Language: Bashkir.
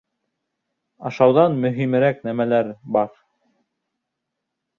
Ашауҙан мөһимерәк нәмәләр бар!